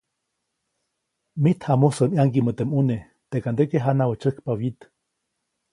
‒Mijt jamusä ʼmaŋgiʼmä teʼ ʼmune, teʼkandeke janawä tsäjkpa wyit-.